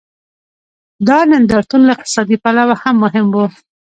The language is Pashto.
دا نندارتون له اقتصادي پلوه هم مهم و.